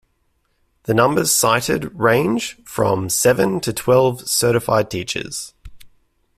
The numbers cited range from seven to twelve certified teachers.